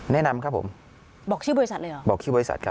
แนะนำครับผมบอกชื่อบริษัทเลยเหรอบอกชื่อบริษัทครับ